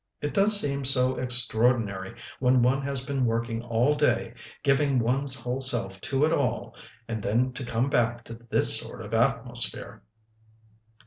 It does seem so extraordinary, when one has been working all day, giving one's whole self to it all, and then to come back to this sort of atmosphere!"